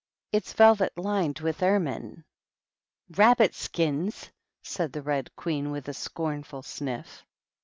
It's velvet, lined with ermine." " Rabbit^kins I" said the Bed Queen, with a scornful sniff.